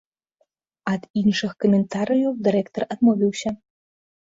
Ад іншых каментарыяў дырэктар адмовіўся.